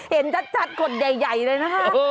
เห็นชัดคนใหญ่เลยนะฮะ